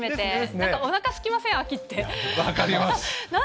なんかおなかすきません？